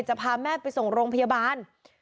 จะพาแม่ไปส่งโรงพยาบาล